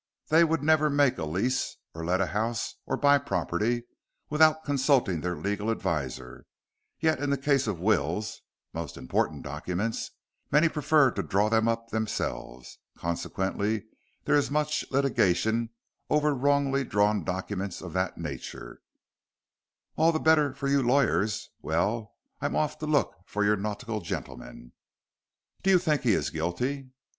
They would never make a lease, or let a house, or buy property, without consulting their legal adviser, yet in the case of wills (most important documents) many prefer to draw them up themselves. Consequently, there is much litigation over wrongly drawn documents of that nature." "All the better for you lawyers. Well, I'm off to look for your nautical gentleman." "Do you think he is guilty?"